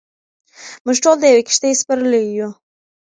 موږ ټول د یوې کښتۍ سپرلۍ یو.